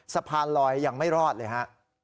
สะพานลอยยังไม่รอดเลยฮะ